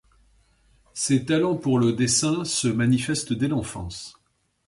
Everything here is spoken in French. Ses talents pour le dessin se manifestent dès l'enfance.